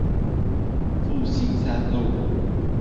復興三路